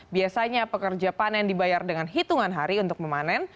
biasanya pekerja panen dibayar dengan hitungan hari untuk memanen